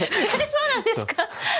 そうなんですか。